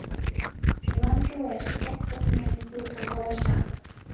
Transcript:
Кӧлан кӱлеш — тек кыртмен луктын толаша.